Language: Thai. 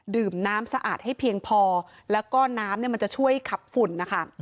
ดื่มน้ำสะอาดให้เพียงพอแล้วก็น้ำเนี่ยมันจะช่วยขับฝุ่นนะคะ